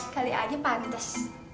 kali aja pantas